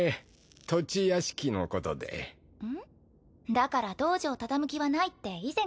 だから道場たたむ気はないって以前から。